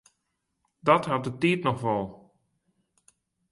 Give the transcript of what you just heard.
Dat hat de tiid noch wol.